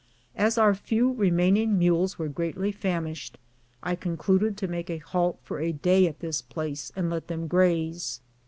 As our few remaining mules were greatly famished, I concluded to make a halt for a day at this place and let them graze.